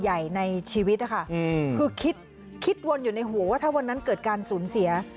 ใหญ่ในชีวิตนะคะคือคิดคิดวนอยู่ในหัวว่าถ้าวันนั้นเกิดการสูญเสีย